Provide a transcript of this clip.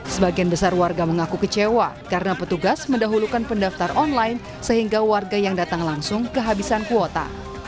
sebagian besar warga mengaku kecewa karena petugas mendahulukan pendaftar online sehingga warga yang datang langsung kehabisan kuota